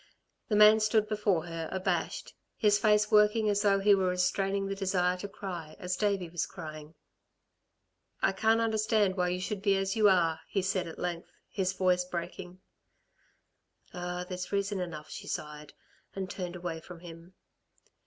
The man stood before her abashed, his face working as though he were restraining the desire to cry as Davey was crying. "I can't understand why you should be as you are," he said at length, his voice breaking. "Ah, there's reason enough," she sighed, and turned away from him.